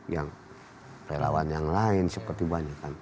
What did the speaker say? yang relawan yang lain seperti banyak kan